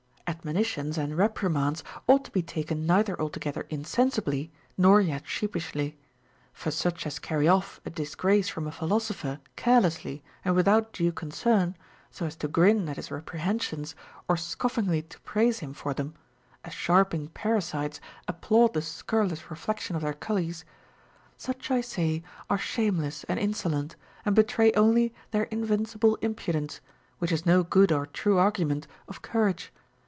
16. Admonitions and reprimands ought to be taken neither altogether insensibly nor yet sheepishly. For such as carry off a disgrace from a philosopher carelessly and without due concern, so as to grin at his reprehensions or scoffingly to praise him for them, as sharping parasites applaud the scurrilous reflection of their cullies, — such, I say, are shameless and insolent, and betray only their in vincible impudence, which is no good or true argument of courage.